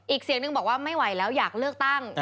อีกเสียงนึงบอกว่าไม่ไหวแล้วอยากเลือกตั้ง